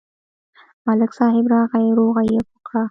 ملک صاحب راغی، روغه یې وکړه.